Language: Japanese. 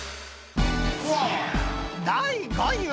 ［第５位は］